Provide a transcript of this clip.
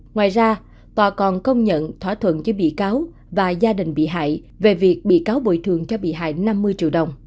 ngoài ra tòa còn công nhận thỏa thuận cho bị cáo và gia đình bị hại về việc bị cáo bồi thường cho bị hại năm mươi triệu đồng